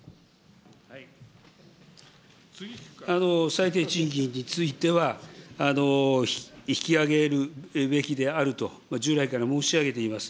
最低賃金については、引き上げるべきであると、従来から申し上げています。